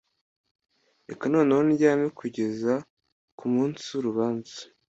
Reka noneho ndyame kugeza ku munsi wurubanza